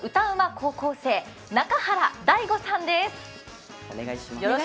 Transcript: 高校生中原大吾さんです。